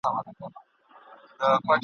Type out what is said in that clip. کرۍ ورځ به پر باوړۍ نه ګرځېدلای !.